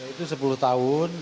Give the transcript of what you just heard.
itu sepuluh tahun